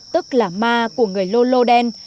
tức là ma của người lô lô đen